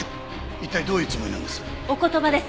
一体どういうつもりなんです？